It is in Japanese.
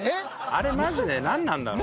あれマジでなんなんだろうな。